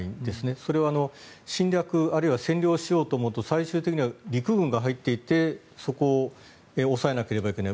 それは侵略あるいは占領しようと思うと最終的には陸軍が入っていってそこを押さえなければいけない。